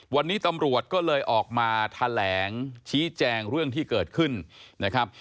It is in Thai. วันนี้ตำรวจก็เลยออกมาแถลงชี้แจงเรื่องที่เกิดขึ้นนะครับ